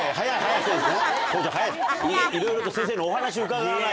いろいろと先生のお話伺わないと。